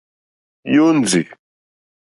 Jóndì.